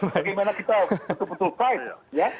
bagaimana kita betul betul kain ya